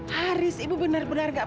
haris ibu benar benar gak